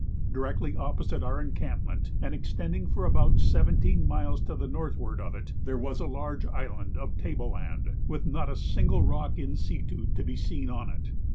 Directly opposite our encampment, and extending for about seventeen miles to the northward of it, there was a large island of table land, with not a single rock in situ to be seen on it.